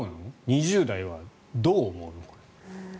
２０代はどう思うの？